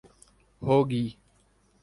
ہو گی